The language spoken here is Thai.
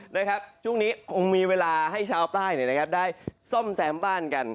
นะครับช่วงนี้คงมีเวลาให้ชาวใต้ได้ซ่อมแซมบ้านกัน